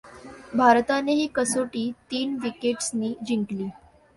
भारताने ही कसोटी तीन विकेट्सनी जिंकली.